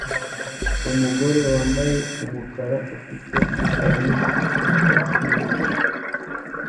Umugore wambaye umukara ufite ivarisi yicyatsi kibisi